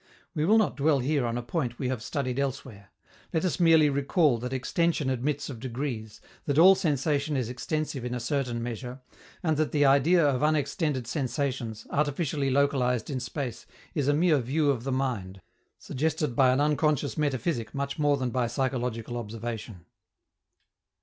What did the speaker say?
We will not dwell here on a point we have studied elsewhere. Let us merely recall that extension admits of degrees, that all sensation is extensive in a certain measure, and that the idea of unextended sensations, artificially localized in space, is a mere view of the mind, suggested by an unconscious metaphysic much more than by psychological observation.